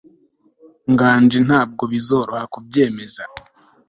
nganji ntabwo bizoroha kubyemeza